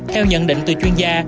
theo nhận định từ chuyên gia